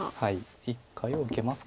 一回は受けますか